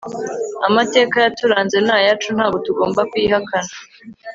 amateka yaturanze ni ayacu ntago tugomba kuyihakana